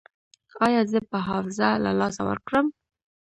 ایا زه به حافظه له لاسه ورکړم؟